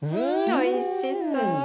おいしそう。